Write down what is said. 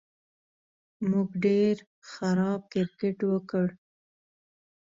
موږ ډېر خراب کرېکټ وکړ